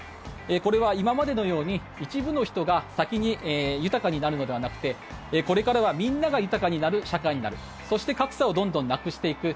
これは今までのように一部の人が先に豊かになるのではなくてこれからはみんなが豊かになる社会になるそして格差をどんどんなくしていく。